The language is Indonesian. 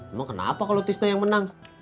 emang kenapa kalau tista yang menang